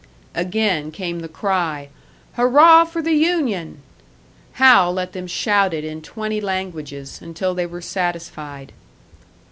Again came the cry: "Hurrah for the union!" Hal let them shout it in twenty languages, until they were satisfied.